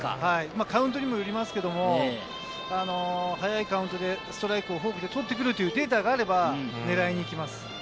カウントにもよりますけど、早いカウントでストライクをフォークで取ってくるというデータがあれば狙いに行きます。